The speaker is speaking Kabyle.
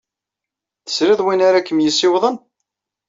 Tesrid win ara kem-yessiwḍen?